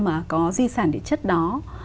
mà có di sản địa chất đó